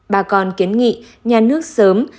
bà con kiến nghị nhà nước sớm